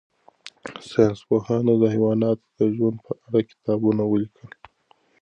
ساینس پوهانو د حیواناتو د ژوند په اړه کتابونه ولیکل.